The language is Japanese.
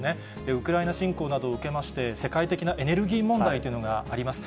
ウクライナ侵攻などを受けまして、世界的なエネルギー問題というのがあります。